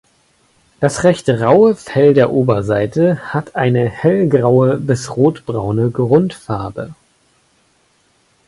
Das recht raue Fell der Oberseite hat eine hellgraue bis rotbraune Grundfarbe.